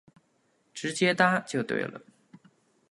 直接搭就对了